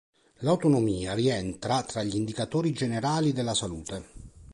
L'autonomia rientra tra gli indicatori generali della salute.